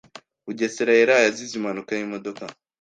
Bugesera yaraye azize impanuka y'imodoka.